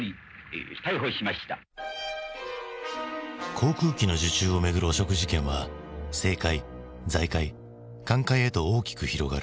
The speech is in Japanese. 航空機の受注をめぐる汚職事件は政界財界官界へと大きく広がる。